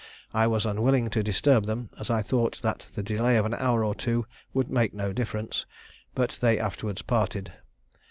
I was unwilling to disturb them, as I thought that the delay of an hour or two would make no difference, but they afterwards parted.